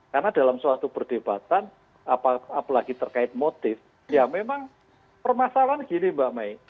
karena dalam suatu perdebatan apalagi terkait motif ya memang permasalahan gini mbak may